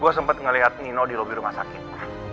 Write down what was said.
gue sempet ngeliat nino di lobi rumah sakitku